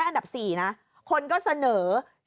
คนก็เสนอชื่อท่านชวนเข้ามาและก็ย้ำว่าประธานสภาต้องเป็นกลาง